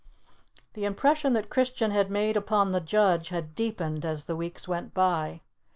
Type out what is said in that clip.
The impression that Christian had made upon the judge had deepened as the weeks went by.